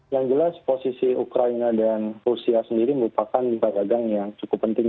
yang jelas posisi ukraina dan rusia sendiri merupakan yang cukup penting